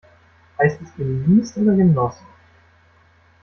Heißt es geniest oder genossen?